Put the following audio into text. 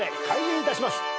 開演いたします。